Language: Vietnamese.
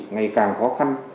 ngày càng khó khăn